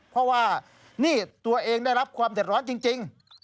เพราะว่านี่ตัวเองได้รับความเดือดร้อนจริง